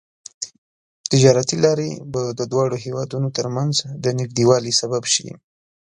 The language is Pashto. تجارتي لارې به د دواړو هېوادونو ترمنځ د نږدیوالي سبب شي.